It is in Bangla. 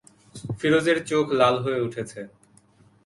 ফিরোজের চোখ লাল হয়ে উঠছে।